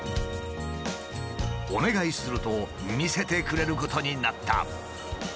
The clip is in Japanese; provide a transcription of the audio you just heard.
お願いすると見せてくれることになった。